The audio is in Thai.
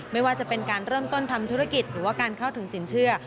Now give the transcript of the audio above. ไม่ว่าจะเป็นการเริ่มต้นทำธุรกิจหรือว่าการเข้าถึงสินเชื่อ